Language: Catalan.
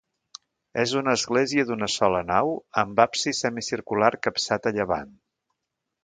És una església d'una sola nau amb absis semicircular capçat a llevant.